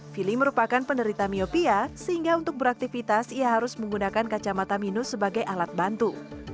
fili merupakan penderita miopia sehingga untuk beraktivitas ia harus menggunakan kacamata minus sebagai alat bantu